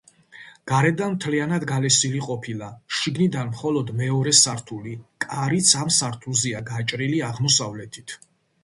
გარედან მთლიანად გალესილი ყოფილა, შიგნიდან მხოლოდ მეორე სართული, კარიც ამ სართულზეა გაჭრილი აღმოსავლეთით.